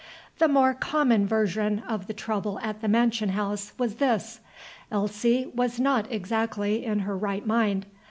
The more common version of the trouble at the mansion house was this: Elsie was not exactly in her right mind.